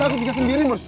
aku bisa sendiri bos